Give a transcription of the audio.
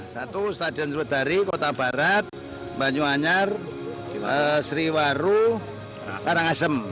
satu stadion seludari kota barat banyuanyar sriwaru karangasem